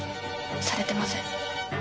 されてません